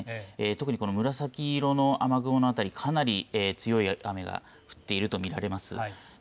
特にこの紫色の雨雲のあたり、かなり強い雨が降っていると見られます。